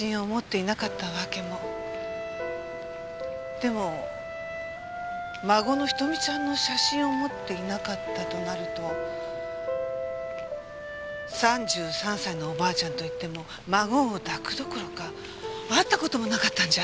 でも孫の瞳ちゃんの写真を持っていなかったとなると３３歳のおばあちゃんといっても孫を抱くどころか会った事もなかったんじゃ！